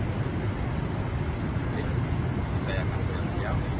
untuk jemaah yang lebih banyak untuk jemaah yang lebih sering